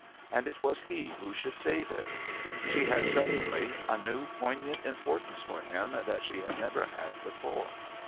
And it was he who should save it. She had suddenly a new poignant importance for him that she had never had before.